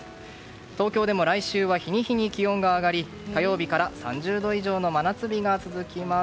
東京でも来週は日に日に気温が上がり火曜日から３０度以上の真夏日が続きます。